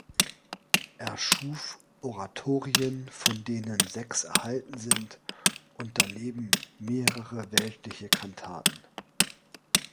Er schuf Oratorien, von denen sechs erhalten sind, und daneben mehrere weltliche Kantaten.